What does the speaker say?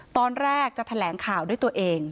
ตอนแรกจะแถลงข่าวด้วยตัวเอง